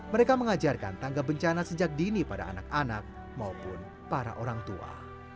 mereka mengajarkan tangga bencana sejak dini pada anak anak maupun para orang tua